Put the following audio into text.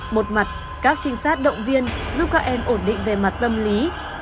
một mặt các trinh sát động viên giúp các em ổn định về mặt tâm lý